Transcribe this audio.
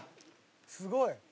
すごい。